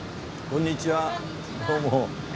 こんにちは。